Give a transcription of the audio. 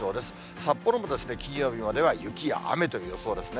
札幌も金曜日までは雪や雨という予想ですね。